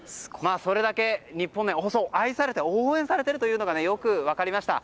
それだけ日本が愛されて応援されているというのがよく分かりました。